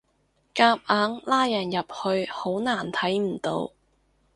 夾硬拉人入去好難睇唔到